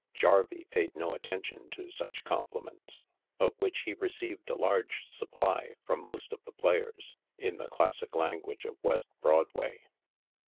" Jarvey" 2>aid no attention to such compliments, of which he received a large supply from most of the players, in the classic language of West Broadway.